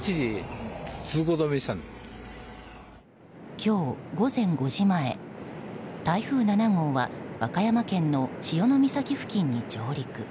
今日、午前５時前、台風７号は和歌山県の潮岬付近に上陸。